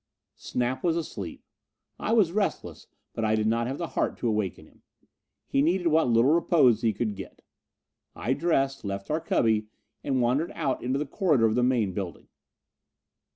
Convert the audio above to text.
Snap was asleep. I was restless, but I did not have the heart to awaken him. He needed what little repose he could get. I dressed, left our cubby and wandered out into the corridor of the main building.